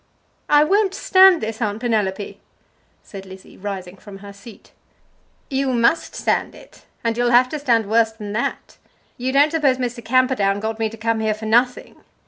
"I won't stand this, Aunt Penelope!" said Lizzie, rising from her seat. "You must stand it; and you'll have to stand worse than that. You don't suppose Mr. Camperdown got me to come here for nothing.